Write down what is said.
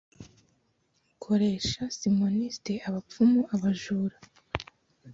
Koresha simoniste abapfumu abajura